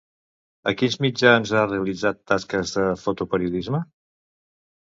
A quins mitjans ha realitzat tasques de fotoperiodisme?